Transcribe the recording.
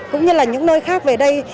cũng như là những nơi khác về đây